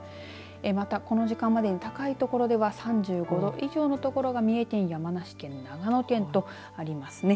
またこの時間までに高いところでは３５度以上のところが三重県、山梨県長野県となりますね。